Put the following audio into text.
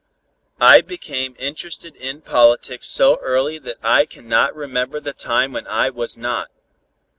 I became interested in politics so early that I cannot remember the time when I was not.